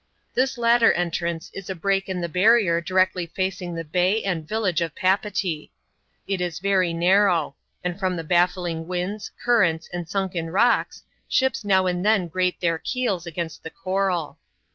This latter entrance is a break in the barrier directly facing the bay and village of Papeetee. It is very narrow ; and, from the bafliing winds, currents, and sunken rocks, ships now and then grate their keels against the coral.